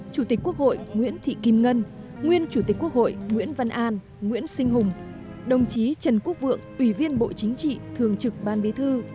chủ tịch quốc hội nguyễn thị kim ngân nguyên chủ tịch quốc hội nguyễn văn an nguyễn sinh hùng đồng chí trần quốc vượng ủy viên bộ chính trị thường trực ban bí thư